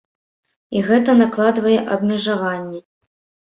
І гэта накладвае абмежаванні.